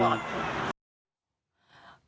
โอเค